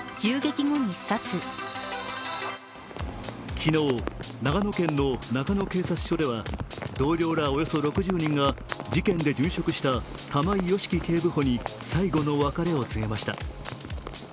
昨日、長野県の中野警察署では同僚らおよそ６０人が事件で殉職した玉井良樹警部補に、最後の別れを告げました。